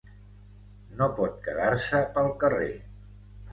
No pot quedar-se pel carrer!